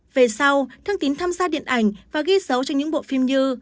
về sau thương tín tham gia điện ảnh và ghi dấu cho những bộ phim như